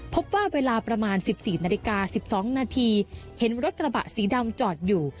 พบว่าเวลาประมาณ๑๔นาฬิกา๑๒นาทีเห็นรถกระบะสีดำจอดอยู่